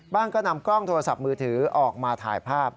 ก็นำกล้องโทรศัพท์มือถือออกมาถ่ายภาพ